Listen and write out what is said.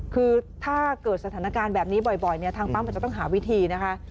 คือถ้าเกิดสถานการณ์แบบนี้บ่อยเนี่ยทางปั๊มอาจจะต้องหาวิธีนะคะ